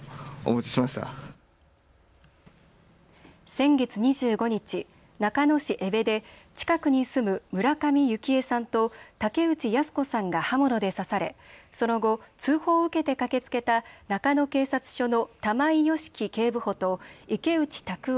先月２５日、中野市江部で近くに住む村上幸枝さんと竹内靖子さんが刃物で刺されその後、通報を受けて駆けつけた中野警察署の玉井良樹警部補と池内卓夫